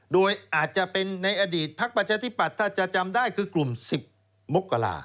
โดยอาจจะเป็นในอดีตพักประชาธิปัตย์ถ้าจะจำได้คือกลุ่ม๑๐มกรา